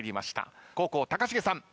後攻高重さん